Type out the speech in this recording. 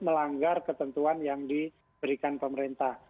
melanggar ketentuan yang diberikan pemerintah